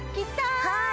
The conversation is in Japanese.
はい